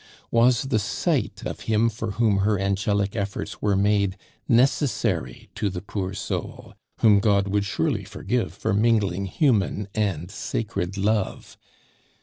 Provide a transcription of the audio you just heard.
Was the sight of him for whom her angelic efforts were made, necessary to the poor soul, whom God would surely forgive for mingling human and sacred love?